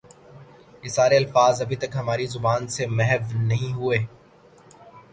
یہ سارے الفاظ ابھی تک ہماری زبان سے محو نہیں ہوئے ۔